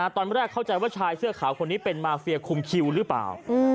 ตอนแรกเข้าใจว่าชายเสื้อขาวคนนี้เป็นมาเฟียคุมคิวหรือเปล่า